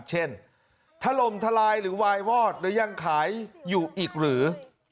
เช่นทะลมทะลายหรือวายวอดยังขายอยู่อีกหรือ